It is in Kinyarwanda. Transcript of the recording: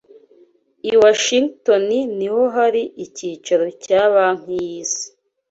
I Washingitoni ni ho hari ikicaro cya Banki y’Isi